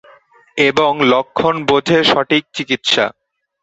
এবং লক্ষণ বোঝে সঠিক চিকিৎসা।